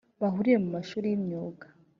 bahurire mu mashuri y’imyuga